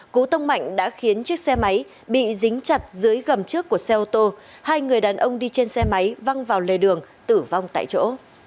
cú tông mạnh đã khiến chiếc xe máy bị dính chặt dưới gầm trước của xe ô tô hai người đàn ông đi trên xe máy văng vào lề đường tử vong tại chỗ